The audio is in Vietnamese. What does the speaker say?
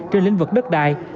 trên lĩnh vực đất đai